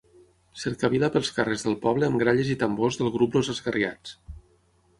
Cercavila pels carrers del poble amb gralles i tambors del grup els esgarriats.